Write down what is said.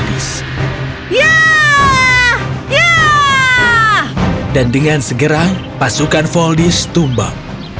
dan dengan segera pasukan voldis tumbang